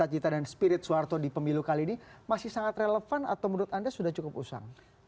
jadi cita cita dan spirit suharto di pemilu kali ini masih sangat relevan atau menurut anda sudah cukup usang